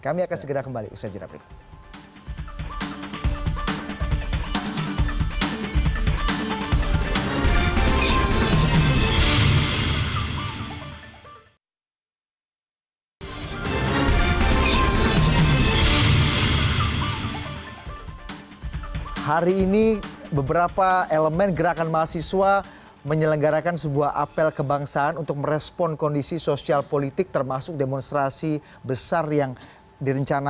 kami akan segera kembali usaha jadwal berikut ini